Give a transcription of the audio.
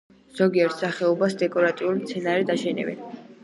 ზოგიერთ სახეობას დეკორატიულ მცენარედ აშენებენ.